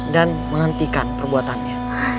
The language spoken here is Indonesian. dan menghentikan perbuatannya